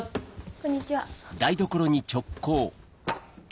こんにちは。